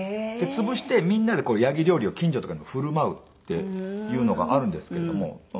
潰してみんなでヤギ料理を近所とかに振る舞うっていうのがあるんですけども。